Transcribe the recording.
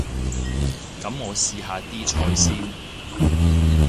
噉我試下啲菜先